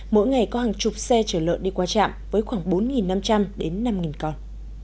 mỗi ngày có hàng chục xe chở lợn đi qua trạm với khoảng bốn năm trăm linh đến năm con